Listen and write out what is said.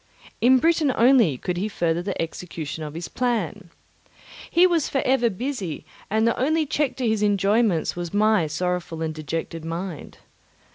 In Britain only could he further the execution of his plan. He was for ever busy, and the only check to his enjoyments was my sorrowful and dejected mind.